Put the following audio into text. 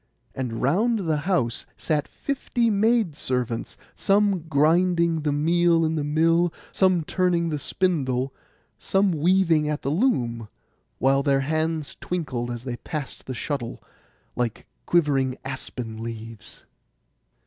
And round the house sat fifty maid servants, some grinding the meal in the mill, some turning the spindle, some weaving at the loom, while their hands twinkled as they passed the shuttle, like quivering aspen leaves.